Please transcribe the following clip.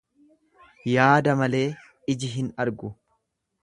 Yaada malee iji hin argu.